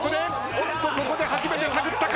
おっとここで初めて探ったか。